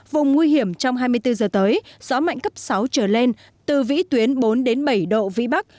vùng nguy hiểm trong hai mươi bốn giờ tới gió mạnh cấp sáu trở lên từ vĩ tuyến bốn bảy độ vĩ bắc